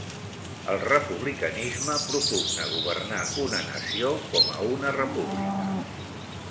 El republicanisme propugna governar una nació com a una república.